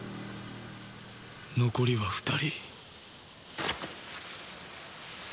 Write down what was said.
残りは２人。